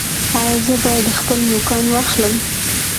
ایا زه باید خپل نوکان واخلم؟